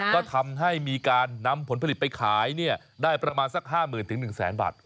ก็ทำให้มีการนำผลผลิตไปขายได้ประมาณสัก๕๐๐๐๑๐๐๐บาท